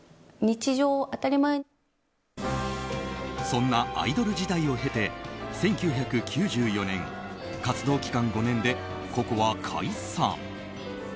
そんなアイドル時代を経て１９９４年、活動期間５年でＣｏＣｏは解散。